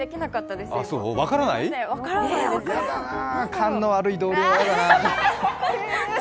勘の悪い同僚は嫌だな。